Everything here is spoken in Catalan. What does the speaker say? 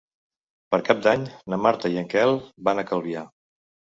Per Cap d'Any na Marta i en Quel van a Calvià.